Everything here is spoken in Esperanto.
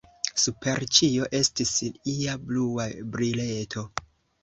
Super ĉio estis ia blua brileto.